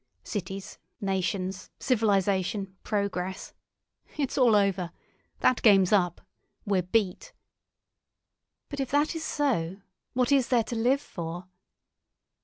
Cities, nations, civilisation, progress—it's all over. That game's up. We're beat." "But if that is so, what is there to live for?"